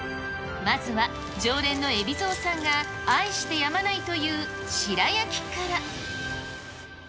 まずは常連の海老蔵さんが愛してやまないという白焼きから。